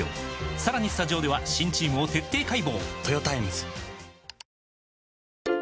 さらにスタジオでは新チームを徹底解剖！